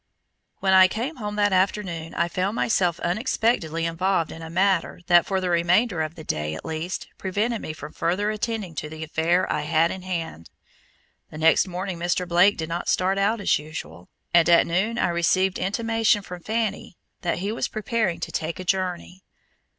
When I came home that afternoon I found myself unexpectedly involved in a matter that for the remainder of the day at least, prevented me from further attending to the affair I had in hand. The next morning Mr. Blake did not start out as usual, and at noon I received intimation from Fanny that he was preparing to take a journey.